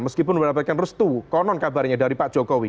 meskipun mereka harus tuh konon kabarnya dari pak jokowi